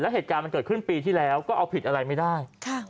เหตุการณ์มันเกิดขึ้นปีที่แล้วก็เอาผิดอะไรไม่ได้